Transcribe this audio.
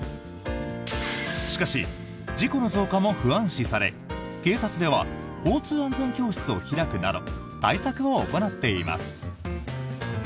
しかし、事故の増加も不安視され警察では交通安全教室を開くなど対策を行っています。